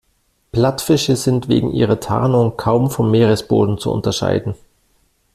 Plattfische sind wegen ihrer Tarnung kaum vom Meeresboden zu unterscheiden.